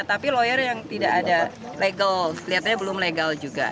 tapi lawyer yang tidak ada legal kelihatannya belum legal juga